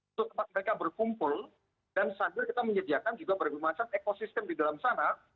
untuk tempat mereka berkumpul dan sambil kita menyediakan juga berbagai macam ekosistem di dalam sana